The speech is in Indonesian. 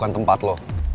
bukan tempat lo